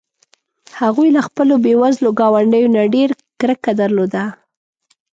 هغوی له خپلو بې وزلو ګاونډیو نه ډېره کرکه درلوده.